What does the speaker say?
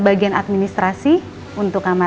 bagian administrasi untuk kamar